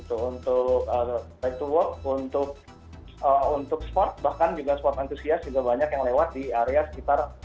untuk by to work untuk sport bahkan juga spot antusias juga banyak yang lewat di area sekitar